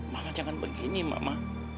mama jangan begini mama